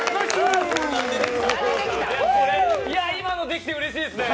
今のできてうれしいですね。